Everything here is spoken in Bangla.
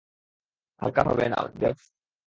হাল্কা ভাবে নাও, ডেভ।